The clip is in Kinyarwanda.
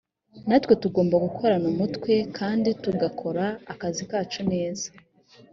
natwe tugomba gukorana umwete kandi tugakora akazi kacu neza